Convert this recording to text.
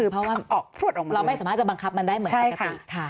เพราะว่าเราไม่สามารถจะบังคับมันได้เหมือนปกติ